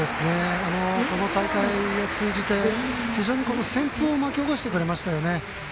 この大会通じて旋風を巻き起こしてくれましたね。